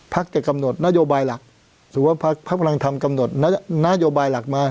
จะกำหนดนโยบายหลักถือว่าพักพลังธรรมกำหนดนโยบายหลักมา